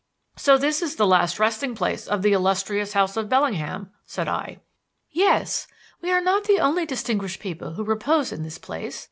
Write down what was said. "So this is the last resting place of the illustrious house of Bellingham," said I. "Yes; and we are not the only distinguished people who repose in this place.